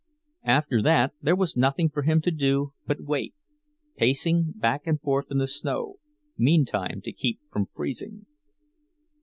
After that there was nothing for him to do but wait, pacing back and forth in the snow, meantime, to keep from freezing.